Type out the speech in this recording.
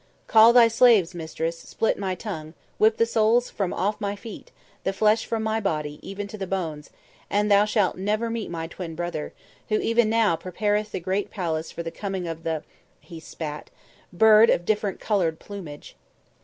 "Call thy slaves, mistress; split my tongue; whip the soles from off my feet, the flesh from my body, even to the bones, and thou shalt never meet my twin brother, who even now prepareth the great palace for the coming of the" he spat "bird of different coloured plumage."